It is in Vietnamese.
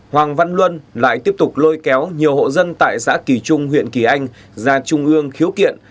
hoàng văn luân lại tiếp tục lôi kéo nhiều hộ dân tại xã kỳ trung huyện kỳ anh ra trung ương khiếu kiện